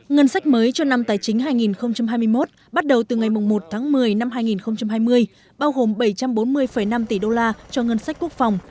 ngân sách mới cho năm tài chính hai nghìn hai mươi một bắt đầu từ ngày một tháng một mươi năm hai nghìn hai mươi bao gồm bảy trăm bốn mươi năm tỷ đô la cho ngân sách quốc phòng